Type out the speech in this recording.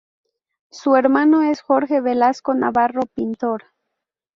Su hermano es Jorge Velasco Navarro, pintor.